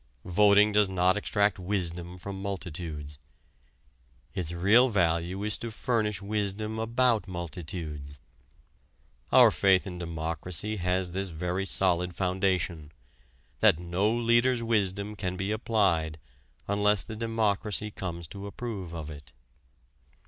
Voting does not extract wisdom from multitudes: its real value is to furnish wisdom about multitudes. Our faith in democracy has this very solid foundation: that no leader's wisdom can be applied unless the democracy comes to approve of it.